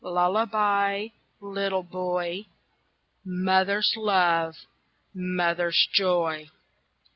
Lullaby, little boy, Mother's love, Mother's joy!